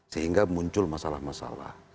sehingga muncul masalah masalah